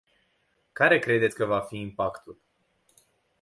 Care credeți că va fi impactul?